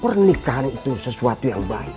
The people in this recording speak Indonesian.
pernikahan itu sesuatu yang baik